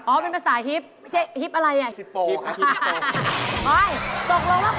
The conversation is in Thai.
โอ้ยตกลงว่าคุณจะหยุดหรือคุณจะไปต่อ